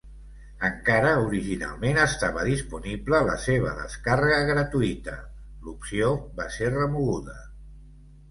Encara originalment estava disponible la seva descàrrega gratuïta, l'opció va ser remoguda.